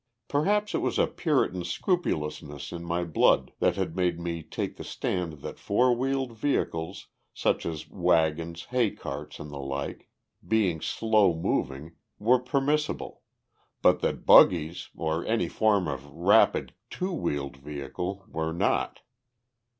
Perhaps it was a Puritan scrupulousness in my blood that had made me take the stand that four wheeled vehicles, such as wagons, hay carts and the like, being slow moving, were permissible, but that buggies, or any form of rapid two wheeled vehicle, were not.